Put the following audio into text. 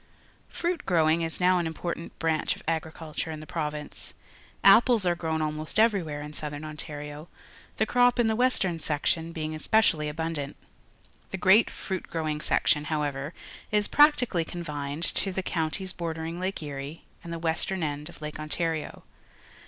Fr uit g rowing is now an jmportant branch of agriculture in the province. Apples are grown almost every^vhere in Southern Ontario, the crop in the western section being specially abundant. The great fruit growing .section, however, is practically confijied^ to the counties bordering Lake Erie and__the western end of Lake Ontario.